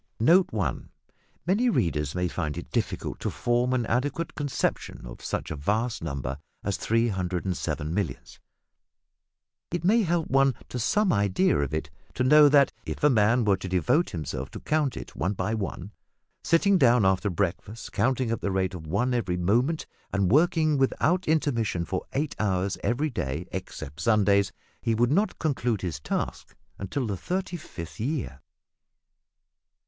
Note 1. Many readers may find it difficult to form an adequate conception of such a vast number as 307 millions. It may help one to some idea of it to know that, if a man were to devote himself to count it, one by one, sitting down after breakfast counting at the rate of one every moment, and working without intermission for eight hours every day, excepting Sundays, he would not conclude his task until the thirty fifth year.